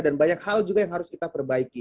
dan banyak hal juga yang harus kita perbaiki